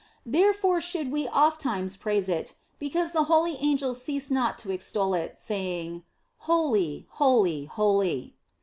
Therefore should we ofttimes praise it, because the holy angels cease not to extol it, saying, " Holy, holy, holy."